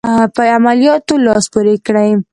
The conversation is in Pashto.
په عملیاتو لاس پوري کړي.